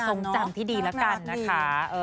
เป็นความทรงจำที่ดีละกันนะคะ